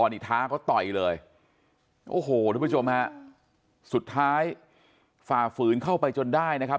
นี่ท้าเขาต่อยเลยโอ้โหทุกผู้ชมฮะสุดท้ายฝ่าฝืนเข้าไปจนได้นะครับ